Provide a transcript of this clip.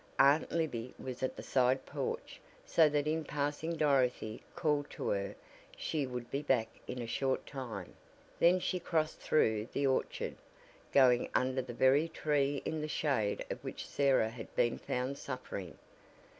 Aunt Libby was at the side porch so that in passing Dorothy called to her she would be back in a short time, then she crossed through the orchard, going under the very tree in the shade of which Sarah had been found suffering.